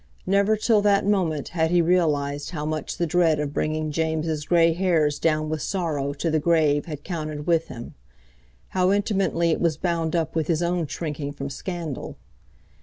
Never till that moment had he realised how much the dread of bringing James' grey hairs down with sorrow to the grave had counted with him; how intimately it was bound up with his own shrinking from scandal.